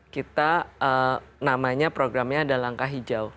kita namanya programnya ada langkah hijau